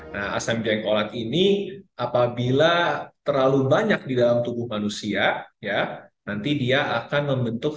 nah asam jengkolat ini apabila terlalu banyak di dalam tubuh manusia ya nanti dia akan membentuk